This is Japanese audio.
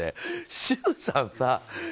周さんさ